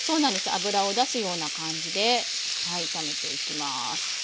脂を出すような感じではい炒めていきます。